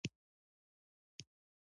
فرانسې خطر ته جدي سترګه کېدل.